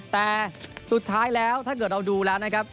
แต่สุดท้ายแล้วถ้าเกิดเราดูแล้วนะครับ